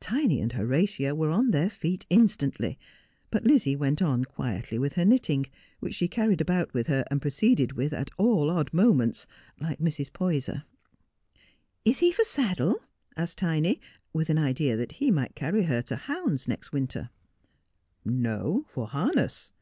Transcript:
Tiny and Horatia were on their feet instantly, but Lizzie went on quietly with her knitting, which she carried about with lier and proceeded with at all odd moments, like Mrs. Poyser. ' Is he for saddle ?' asked Tiny, with an idea that he might carry her to hounds next winter. ' No, for harness.